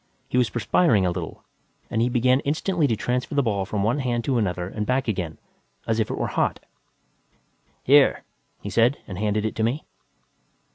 He was perspiring a little and he began instantly to transfer the ball from one hand to another and back again as if it were hot. "Here," he said, and handed it to me.